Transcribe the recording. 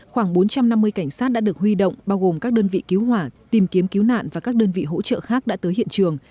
khoảng bốn trăm năm mươi cảnh sát đã được huy động bao gồm các đơn vị cứu hỏa tìm kiếm cứu nạn và các đơn vị hỗ trợ khác đã tới hiện trường